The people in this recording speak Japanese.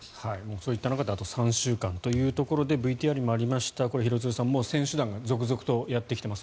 そういった中であと３週間というところでＶＴＲにもありましたが廣津留さん、選手団が続々とやってきています。